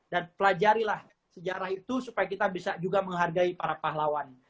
dan pelajarilah sejarah itu supaya kita bisa juga menghargai para pahlawan